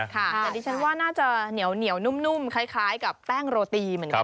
แต่ดิฉันว่าน่าจะเหนียวนุ่มคล้ายกับแป้งโรตีเหมือนกัน